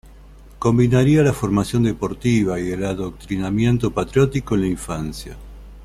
Combinaría la formación deportiva y el adoctrinamiento patriótico en la infancia.